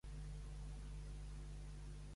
Està situat just a la frontera amb Espanya.